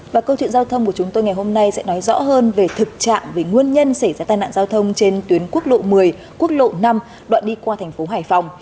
và câu chuyện giao thông của chúng tôi ngày hôm nay sẽ nói rõ hơn về thực trạng về nguyên nhân xảy ra tai nạn giao thông trên tuyến quốc lộ một mươi quốc lộ năm đoạn đi qua thành phố hải phòng